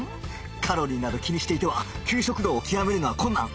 カロリーなど気にしていては給食道を極めるのは困難